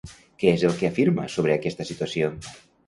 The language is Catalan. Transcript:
Què és el que afirma sobre aquesta situació?